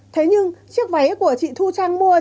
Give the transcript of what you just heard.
thế nhưng chiếc váy của chị thu trang mua